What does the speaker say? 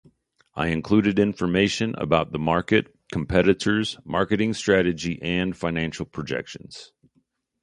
I included information about the market, competitors, marketing strategy, and financial projections.